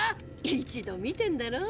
一度見てんだろ？